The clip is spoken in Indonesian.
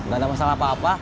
gak ada masalah apa apa